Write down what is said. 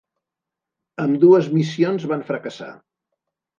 Ambdues missions van fracassar.